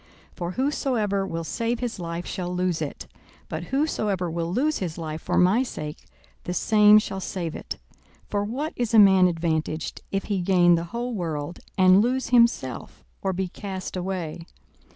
42:009:024 For whosoever will save his life shall lose it: but whosoever will lose his life for my sake, the same shall save it. 42:009:025 For what is a man advantaged, if he gain the whole world, and lose himself, or be cast away?